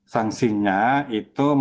sanksinya itu melanggar